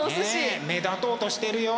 ねえ目立とうとしてるよ。